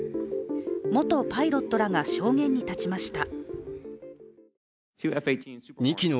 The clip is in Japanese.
元パイロットらが証言に立ちました。